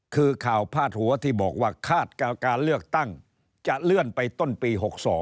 คือข่าวพาดหัวที่บอกว่าคาดการเลือกตั้งจะเลื่อนไปต้นปี๖๒